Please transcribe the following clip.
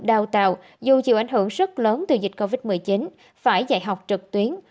đào tạo dù chịu ảnh hưởng rất lớn từ dịch covid một mươi chín phải dạy học trực tuyến